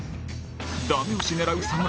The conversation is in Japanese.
ダメ押し狙う侍